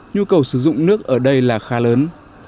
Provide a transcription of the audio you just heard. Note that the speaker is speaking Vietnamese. nhu cầu sử dụng nước ở đây là khá lớn